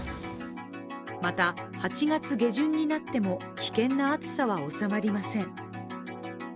また８月下旬になっても危険な暑さは収まりません。